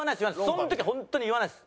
その時は本当に言わないです。